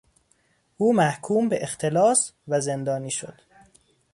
او محکوم به اختلاس و زندانی شد.